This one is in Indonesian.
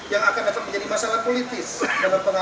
yang akan menjadi masalah politis dengan pengaruh kualitas pemilik